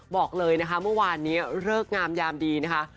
บอกเลยนะคะเมื่อวานนี้เลิกงามยามดีนะคะ